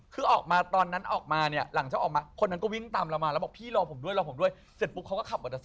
คือเรากลัวกรี๊ดแล้วก็บอกว่าอย่าวิ่งอย่าวิ่ง